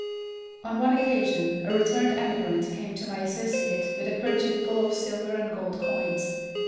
On one occasion a returned emigrant came to my associate with a kerchief full of silver and gold coins.